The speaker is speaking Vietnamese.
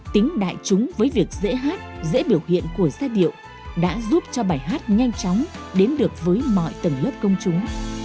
tính đại chúng với việc dễ hát dễ biểu hiện của giai điệu đã giúp cho bài hát nhanh chóng đến được với mọi tầng lớp công chúng